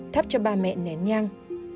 thắp cho ba mẹ nén nhang